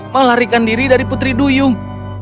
melarikan diri dari putri duyung